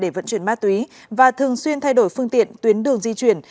để vận chuyển ma túy và thường xuyên thay đổi phương tiện tuyến đường di chuyển